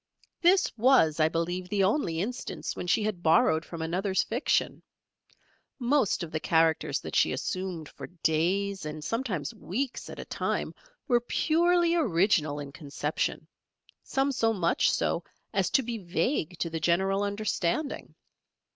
This was, I believe, the only instance when she had borrowed from another's fiction. Most of the characters that she assumed for days and sometimes weeks at a time were purely original in conception; some so much so as to be vague to the general understanding.